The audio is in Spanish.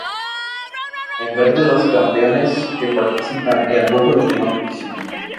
En verde los campeones que participan y en rojo los que no participan.